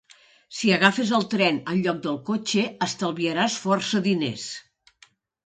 Si agafes el tren en lloc del cotxe, estalviaràs força diners.